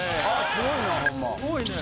すごいね。